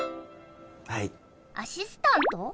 はいアシスタント？